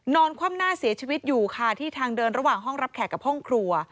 คว่ำหน้าเสียชีวิตอยู่ค่ะที่ทางเดินระหว่างห้องรับแขกกับห้องครัว